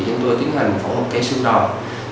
chúng tôi tiến hành phổ hợp gãy xương đòn